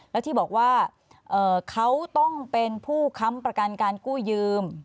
แล้วที่บอกว่าเขาต้องเป็นผู้ค้ำประกันการกู้ยืม